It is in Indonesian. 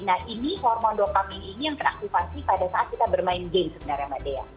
nah ini hormon dopaming ini yang teraktifasi pada saat kita bermain game sebenarnya mbak dea